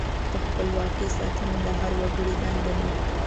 د خپلواکۍ ساتنه د هر وګړي دنده ده.